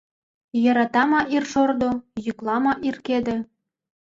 Йӧрата ма ир шордо, йӱкла ма ир кеде